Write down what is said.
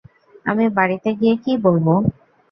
আমি বাড়িতে গিয়ে কী বলব?